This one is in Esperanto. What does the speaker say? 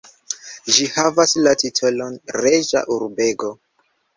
Ĝi havas la titolon reĝa urbego.